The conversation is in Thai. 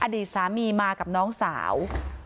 อดีตสามีมากับน้องสาว